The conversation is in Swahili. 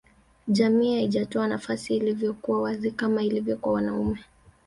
Jamii haijatoa nafasi iliyokuwa wazi kama ilivyo kwa wanaume